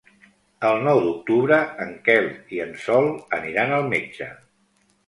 El nou d'octubre en Quel i en Sol aniran al metge.